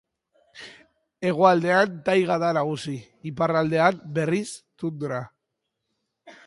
Hegoaldean taiga da nagusi; iparraldean, berriz tundra.